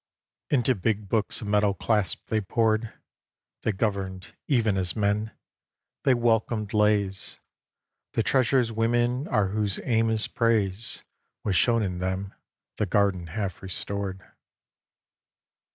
X Into big books of metal clasps they pored. They governed, even as men; they welcomed lays. The treasures women are whose aim is praise, Was shown in them: the Garden half restored.